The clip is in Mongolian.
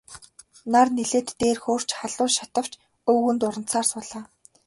Нар нэлээд дээр хөөрч халуун шатавч өвгөн дурандсаар суулаа.